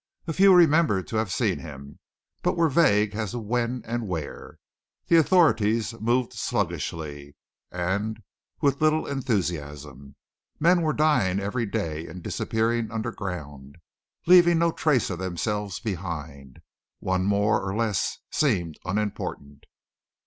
A few remembered to have seen him, but were vague as to when and where. The authorities moved sluggishly, and with little enthusiasm. Men were dying every day; and disappearing underground, leaving no trace of themselves behind. One more or less seemed unimportant.